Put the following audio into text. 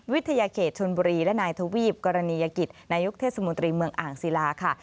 วิทยาเขตชนบุรีและนายทวีปกรณียกิจนายกเทศมนตรีเมืองอ่างศิลาค่ะ